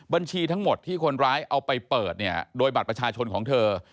บัญชีทั้งหมดที่คนร้ายเอาไปเปิดเนี่ยโดยบัตรประชาชนของเธอ